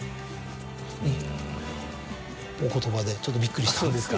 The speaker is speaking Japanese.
ちょっとびっくりしたんですが。